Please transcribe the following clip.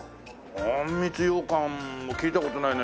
あんみつ羊かんも聞いた事ないな。